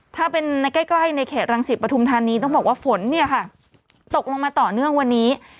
ถ้าเป็นใกล้ในแขกรังสิตปฐุมธรรมนี้ต้องบอกว่าฝนตกลงมาต่อเนื่องวันนี้